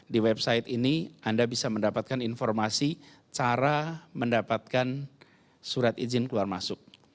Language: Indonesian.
di website ini anda bisa mendapatkan informasi cara mendapatkan surat izin keluar masuk